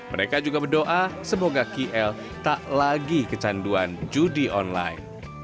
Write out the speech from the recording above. mereka juga berdoa semoga kl tak lagi kecanduan judi online